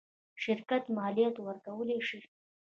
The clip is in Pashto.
شرکت مالیات ورکولی شي.